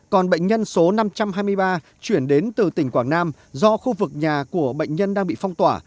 còn bệnh nhân số năm trăm hai mươi ba chuyển đến từ tỉnh quảng nam do khu vực nhà của bệnh nhân đang bị phong tỏa